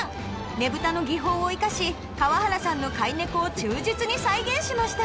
ねぶたの技法を生かし川原さんの飼い猫を忠実に再現しました